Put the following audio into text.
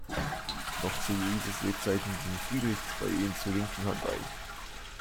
Noch zu Louises Lebzeiten ging Friedrich zwei Ehen zur linken Hand ein.